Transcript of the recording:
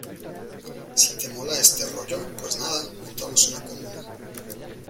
si te mola este rollo, pues nada , montamos una comuna